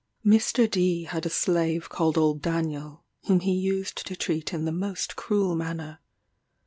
Mr. D had a slave called old Daniel, whom he used to treat in the most cruel manner.